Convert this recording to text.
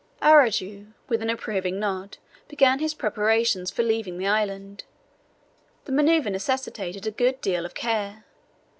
Araujo, with an approving nod, began his preparations for leaving the island. The maneuver necessitated a good deal of care.